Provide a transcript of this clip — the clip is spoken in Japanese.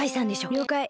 りょうかい。